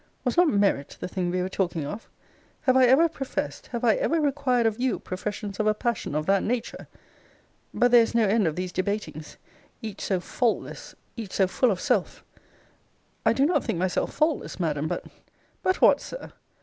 Was not merit the thing we were talking of? Have I ever professed, have I ever required of you professions of a passion of that nature? But there is no end of these debatings; each so faultless, each so full of self I do not think myself faultless, Madam: but But what, Sir!